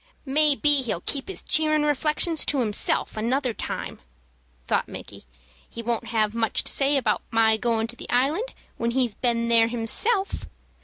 "May be he'll keep his 'cheerin' reflections' to himself another time," thought Micky. "He won't have much to say about my going to the Island when he's been there himself.